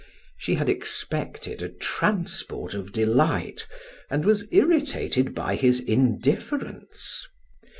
She had expected a transport of delight and was irritated by his indifference.